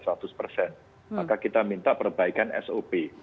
maka kita minta perbaikan sop